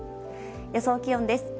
予想気温です。